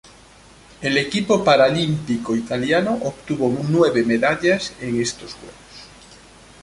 El equipo paralímpico italiano obtuvo nueve medallas en estos Juegos.